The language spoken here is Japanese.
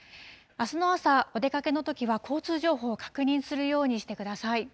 あすの朝、お出かけのときは、交通情報を確認するようにしてください。